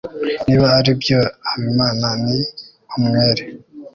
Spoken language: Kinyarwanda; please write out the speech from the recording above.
niba aribyo, habimana ni umwere